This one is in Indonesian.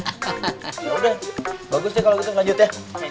yaudah bagus deh kalau gitu lanjut ya